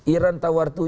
iran tawar tujuh